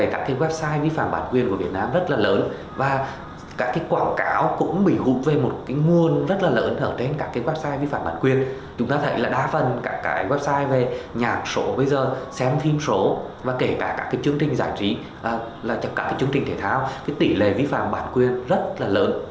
các nhà sản xuất nội dung truyền hình phim số kể cả các chương trình giải trí chương trình thể thao tỷ lệ vi phạm bản quyền rất lớn